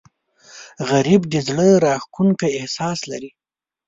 غریب د زړه راښکونکی احساس لري